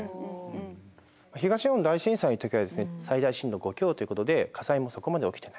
東日本大震災の時はですね最大震度５強ということで火災もそこまで起きてない。